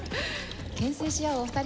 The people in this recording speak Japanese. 牽制し合うお二人。